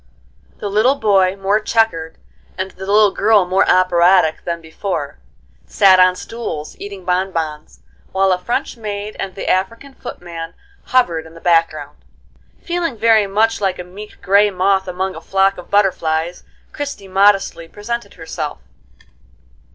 The little boy more checkered and the little girl more operatic than before, sat on stools eating bonbons, while a French maid and the African footman hovered in the background. [Illustration: MRS. SALTONSTALL AND FAMILY.] Feeling very much like a meek gray moth among a flock of butterflies, Christie modestly presented herself.